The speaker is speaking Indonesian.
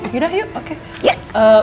yaudah yuk oke